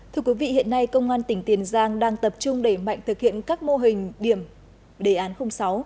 thưa quý vị hiện nay công an tỉnh tiền giang đang tập trung đẩy mạnh thực hiện các mô hình điểm đề án sáu